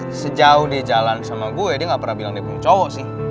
tapi sejauh dia jalan sama gue dia gak pernah bilang dia bung cowok sih